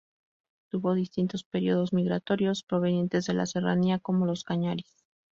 Tuvo distintos períodos migratorios provenientes de la serranía como los Cañaris.